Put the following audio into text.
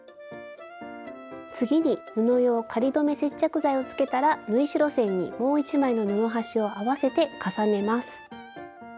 次に布用仮留め接着剤をつけたら縫い代線にもう一枚の布端を合わせて重ねます。